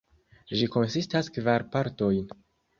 Ĝi konsistas kvar partojn.